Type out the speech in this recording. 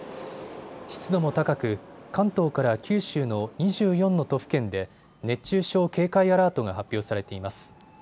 湿度も高く関東から九州の２４の都府県で熱中症警戒アラートが発表されています。